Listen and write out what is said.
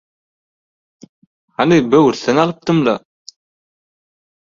– Hany, böwürslen alypdym-la?